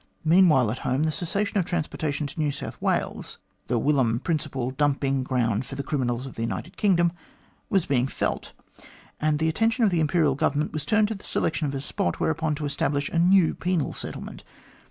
Meantime, at home, the cessation of transportation to New South Wales the whilom principal dumping ground for the criminals of the United Kingdom was being felt, and the attention of the Imperial Government was turned to the selection of a spot whereon to establish a new penal settlement.